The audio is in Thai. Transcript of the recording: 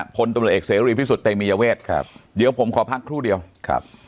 พลตำรวจเอกเสรีพิสุทธิ์เตมียเวทครับเดี๋ยวผมขอพักครู่เดียวครับ